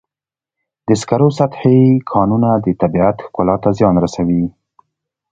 د سکرو سطحي کانونه د طبیعت ښکلا ته زیان رسوي.